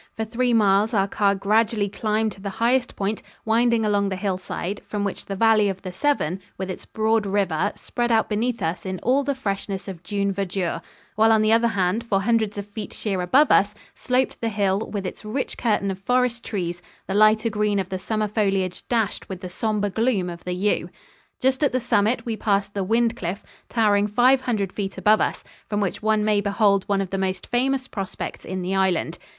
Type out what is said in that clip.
For three miles our car gradually climbed to the highest point, winding along the hillside, from which the valley of the Severn, with its broad river, spread out beneath us in all the freshness of June verdure; while on the other hand, for hundreds of feet sheer above us, sloped the hill, with its rich curtain of forest trees, the lighter green of the summer foliage dashed with the somber gloom of the yew. Just at the summit we passed the Wyndcliffe, towering five hundred feet above us, from which one may behold one of the most famous prospects in the Island.